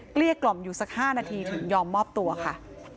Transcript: เกี้ยกล่อมอยู่สัก๕นาทีถึงยอมมอบตัวค่ะ